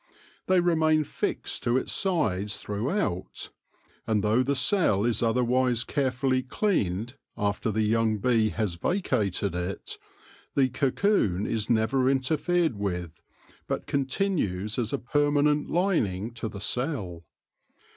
They remain fixed to its sides throughout, and though the cell is otherwise carefully cleaned after the young bee has vacated it, the cocoon is never interfered with, but continues as a permanent lining to the cell.